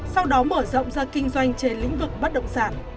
sau đó mở rộng ra kinh doanh trên lĩnh vực bất động sản